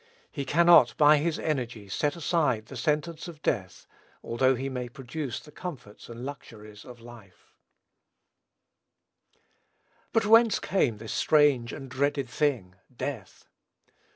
He cannot, by his energy, set aside the sentence of death, although he may produce the comforts and luxuries of life. But whence came this strange and dreaded thing, death?